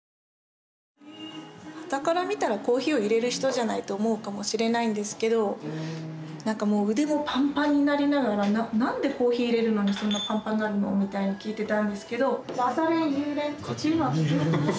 端から見たらコーヒーをいれる人じゃないと思うかもしれないんですけどなんかもう腕もパンパンになりながら何でコーヒーいれるのにそんなパンパンになるの？みたいな聞いてたんですけど。